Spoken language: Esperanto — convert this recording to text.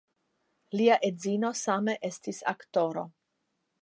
Lia edzino same estis aktoro.